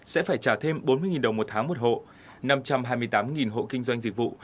sẽ phải trả thêm bốn mươi đồng một tháng một hộ năm trăm hai mươi tám hộ kinh doanh dịch vụ